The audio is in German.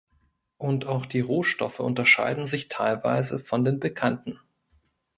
Und auch die Rohstoffe unterscheiden sich teilweise von den bekannten.